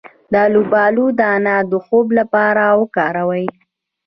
د الوبالو دانه د خوب لپاره وکاروئ